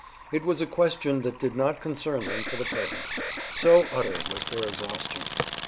It was a question that did not concern them for the present, so utter was their exhaustion.